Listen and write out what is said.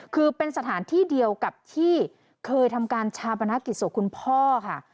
คือเป็นสถานที่เดียวกับที่เคยทำการชาปนกิจศพคุณพ่อค่ะ